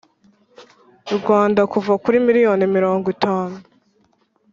Rwanda kuva kuri miliyoni mirongo itanu